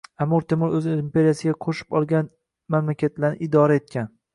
Amir Temur o'z imperiyasiga qo'shib olgan mamlakatlarni idora etgan